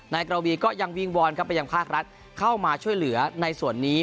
นายกระวีก็ยังวิ่งวอนครับไปยังภาครัฐเข้ามาช่วยเหลือในส่วนนี้